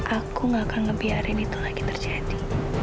aku gak akan ngebiarin itu lagi terjadi